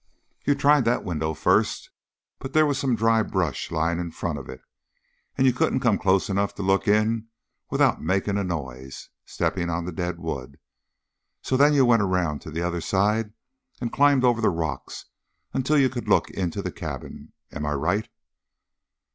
"You tried that window first, but they was some dry brush lying in front of it, and you couldn't come close enough to look in without making a noise stepping on the dead wood. So then you went around to the other side and climbed over the rocks until you could look into the cabin. Am I right?"